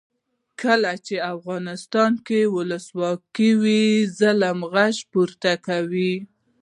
کله چې افغانستان کې ولسواکي وي مظلوم غږ پورته کوي.